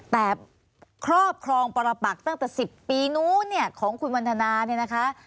แต่ครอบครองปรปักตั้งแต่๑๐ปีนู้นเนี่ยของคุณวันทนาเนี่ยนะคะ